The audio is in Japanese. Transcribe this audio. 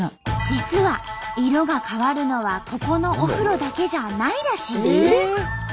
実は色が変わるのはここのお風呂だけじゃないらしい。